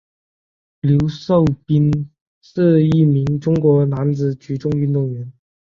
刘寿斌是一名中国男子举重运动员。